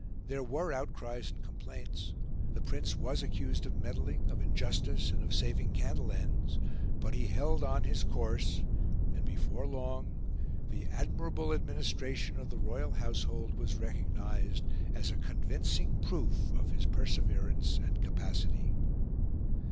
There were outcries and complaints; the Prince was accused of meddling, of injustice, and of saving candle ends; but he held on his course, and before long the admirable administration of the royal household was recognised as a convincing proof of his perseverance and capacity.